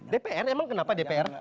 dpr emang kenapa dpr